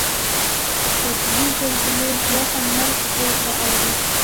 سطحي زلزلې زیاته مرګ ژوبله اړوي